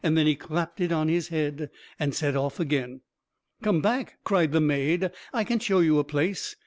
Then he clapped it on his head and set off again. "Come back!" cried the maid; "I can show you a place.